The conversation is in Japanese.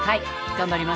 頑張ります。